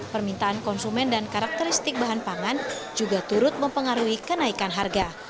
permintaan konsumen dan karakteristik bahan pangan juga turut mempengaruhi kenaikan harga